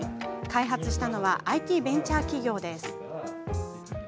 開発したのはＩＴベンチャー企業です。